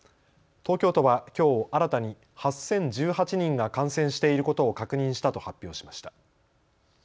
東京都はきょう新たに８０１８人が感染していることを確認したと発表しました。